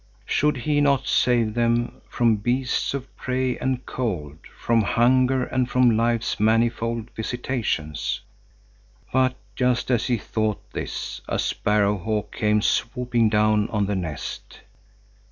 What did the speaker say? Should he not save them from beasts of prey and cold, from hunger, and from life's manifold visitations? But just as he thought this, a sparrow hawk came swooping down on the nest.